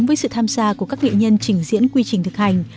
với sự tham gia của các nghệ nhân trình diễn quy trình thực hành